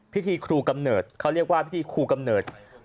พิธีครูกำเนิดเขาเรียกว่าพิธีครูกำเนิด